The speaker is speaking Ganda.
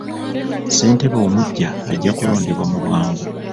Ssentebe omuggya ajja kulondebwa mu bwangu.